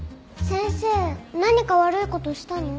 先生何か悪い事したの？